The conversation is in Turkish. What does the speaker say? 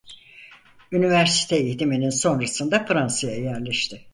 Üniversite eğitiminin sonrasında Fransa'ya yerleşti.